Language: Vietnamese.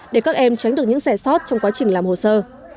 để các em tránh được những rẻ sót trong quá trình làm hồ sơ